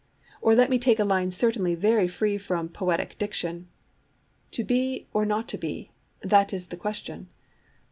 Or let me take a line certainly very free from 'poetic diction': To be or not to be, that is the question.